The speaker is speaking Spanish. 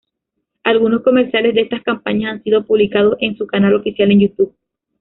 Algunos comerciales de estas campañas han sido publicados en su canal oficial en YouTube.